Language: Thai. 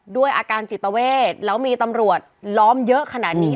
ด้วยอาการจิตเวทแล้วมีตำรวจล้อมเยอะขนาดนี้